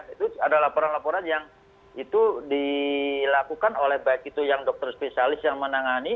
itu ada laporan laporan yang itu dilakukan oleh baik itu yang dokter spesialis yang menangani